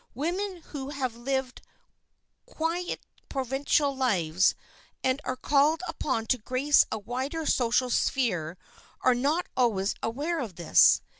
Women who have lived quiet provincial lives and are called upon to grace a wider social sphere are not always aware of this.